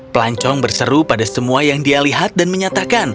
pelancong berseru pada semua yang dia lihat dan menyatakan